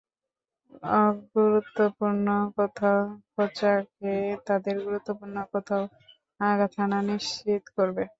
অগুরুত্বপূর্ণ কোথাও খোঁচা খেয়ে তাদের গুরুত্বপূর্ণ কোথাও আঘাত হানা নিশ্চিত করবে।